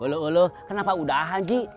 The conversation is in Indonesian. ulu ulu kenapa udahan ji